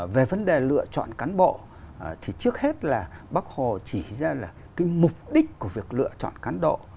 về vấn đề lựa chọn cán bộ thì trước hết là bác hồ chỉ ra là cái mục đích của việc lựa chọn cán bộ